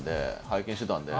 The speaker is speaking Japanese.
拝見してたんで。